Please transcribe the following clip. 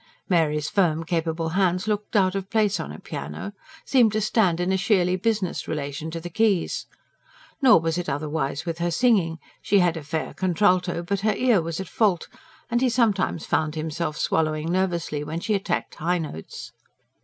Mary's firm, capable hands looked out of place on a piano; seemed to stand in a sheerly business relation to the keys. Nor was it otherwise with her singing: she had a fair contralto, but her ear was at fault; and he sometimes found himself swallowing nervously when she attacked high notes.